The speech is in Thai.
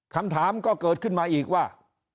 คำถามก็เกิดขึ้นมาอีกว่า